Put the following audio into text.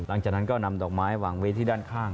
หลังจากนั้นก็นำดอกไม้วางไว้ที่ด้านข้าง